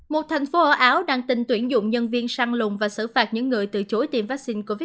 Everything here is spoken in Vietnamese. một thành phố ở áo đang tin tuyển dụng nhân viên săn lùng và xử phạt những người từ chối tiêm vaccine covid một mươi chín